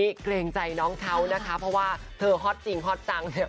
ไม่เกรงใจน้องเท้านะคะเพราะว่าเธอฮอตจริงฮอตตังค์เนี่ย